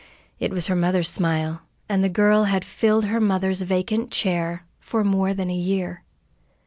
It was her mother's smile, and the girl had filled her mother's vacant chair for more than a year.